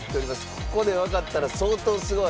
ここでわかったら相当すごい。